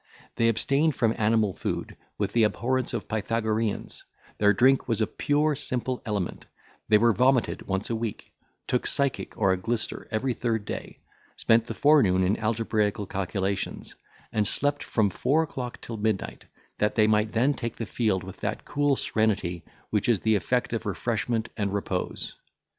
They abstained from animal food with the abhorrence of Pythagoreans, their drink was a pure simple element, they were vomited once a week, took physic or a glyster every third day, spent the forenoon in algebraical calculations, and slept from four o'clock till midnight, that they might then take the field with that cool serenity which is the effect of refreshment and repose.